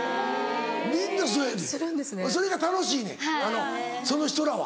みんなそやねんそれが楽しいねんその人らは。